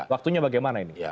waktunya bagaimana ini